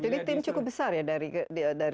jadi tim cukup besar ya dari direktur